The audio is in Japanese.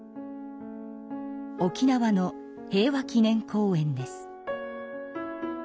沖縄の平和祈念公園です。